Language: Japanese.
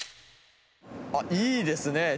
あっいいですね。